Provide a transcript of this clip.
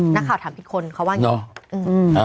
นักข่าวถามผิดคนเขาว่าอย่างนี้